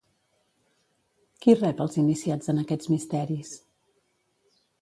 Qui rep els iniciats en aquests misteris?